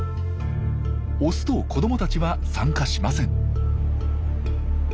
オスと子どもたちは参加しません。